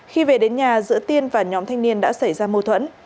khi về đến nhà giữa tiên và nhóm thanh niên đã xảy ra mâu thuẫn